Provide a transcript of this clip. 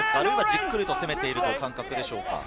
じっくりと攻めているという感覚でしょうか？